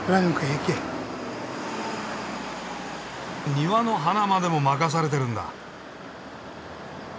庭の花までも任されてるんだ。